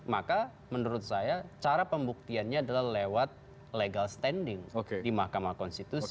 maka menurut saya cara pembuktiannya adalah lewat legal standing di mahkamah konstitusi